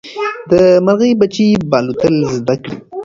د مرغۍ بچي به الوتل زده کړي.